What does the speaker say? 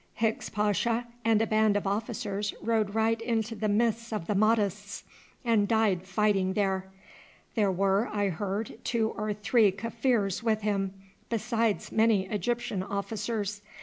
Hicks Pasha and a band of officers rode right into the midst of the Mahdists, and died fighting there. There were, I heard, two or three Kaffirs with him, besides many Egyptian officers.